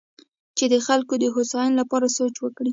چې د خلکو د هوساینې لپاره سوچ وکړي.